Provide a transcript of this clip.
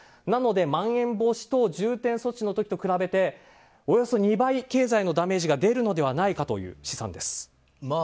なので、まん延防止等重点措置の時と比べておよそ２倍、経済のダメージが出るのではないかという試算です。